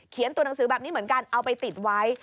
ตัวหนังสือแบบนี้เหมือนกันเอาไปติดไว้